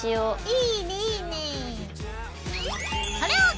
いいねいいね。